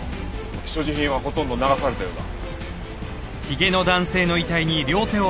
所持品はほとんど流されたようだ。